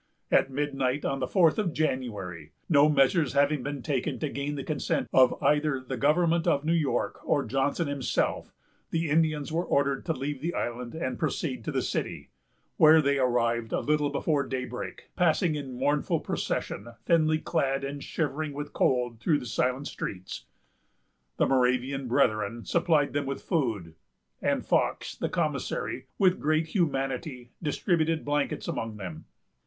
At midnight, on the fourth of January, no measures having been taken to gain the consent of either the government of New York or Johnson himself, the Indians were ordered to leave the island and proceed to the city; where they arrived a little before daybreak, passing in mournful procession, thinly clad and shivering with cold, through the silent streets. The Moravian Brethren supplied them with food; and Fox, the commissary, with great humanity, distributed blankets among them.